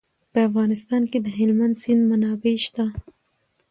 په افغانستان کې د هلمند سیند منابع شته.